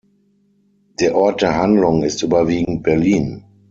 Der Ort der Handlung ist überwiegend Berlin.